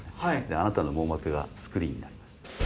あなたの網膜がスクリーンになります。